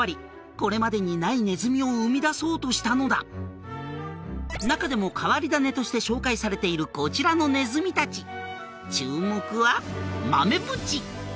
これまでにないネズミを生み出そうとしたのだ中でも変わり種として紹介されているこちらのネズミ達注目は「豆ぶち」